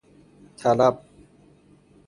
طلب